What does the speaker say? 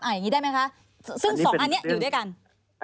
อย่างนี้ได้ไหมคะซึ่งสองอันนี้อยู่ด้วยกัน